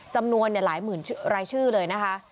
จำนวนหลายหมื่นรายชื่อเลยนะคะ